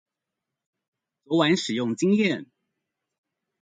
昨晚使用經驗